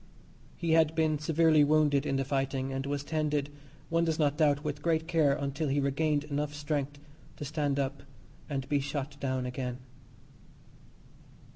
He had been severely wounded in the fighting, and was tended, one does not doubt with great care, until he regained enough strength to stand up and be shot down again.